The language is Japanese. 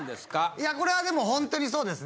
いやこれはでもホントにそうですね。